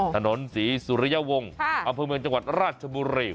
ถนนศรีสุริยวงศ์อำเภอเมืองจังหวัดราชบุรี